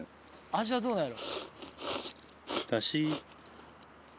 味はどうやろ？